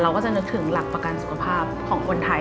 ก็จะนึกถึงหลักประกันสุขภาพของคนไทย